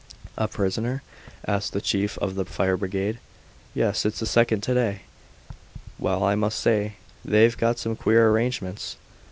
"A prisoner?" asked the chief of the fire brigade. "Yes. It's the second to day." "Well, I must say they've got some queer arrangements.